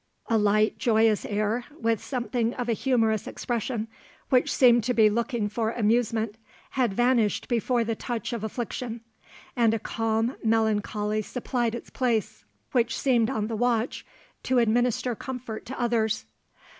A light joyous air, with something of a humorous expression, which seemed to be looking for amusement, had vanished before the touch of affliction, and a calm melancholy supplied its place, which seemed on the watch to administer comfort to others.